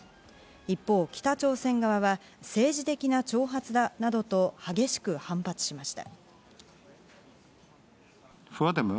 一方、北朝鮮側は政治的な挑発だなどと激しく反発しました。